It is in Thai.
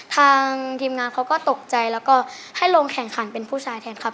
ทางทีมงานเขาก็ตกใจแล้วก็ให้ลงแข่งขันเป็นผู้ชายแทนครับ